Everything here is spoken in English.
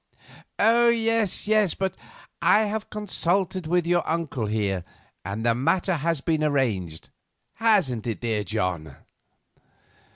"Yes, yes; but I have consulted with your uncle here, and the matter has been arranged. Hasn't it, John?"